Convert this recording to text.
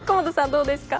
どうですか？